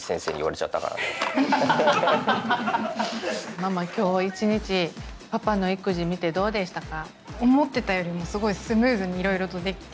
ママ今日一日パパの育児見てどうでしたか？